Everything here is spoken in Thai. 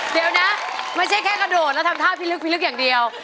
เดี๋ยวนะไม่ใช่แค่กระโดดแล้วทำท่าพิลึกพิลึกอย่างเดียว